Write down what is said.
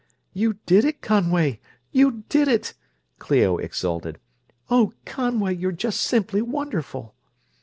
"You did it, Conway; you did it!" Clio exulted. "Oh, Conway, you're just simply wonderful!"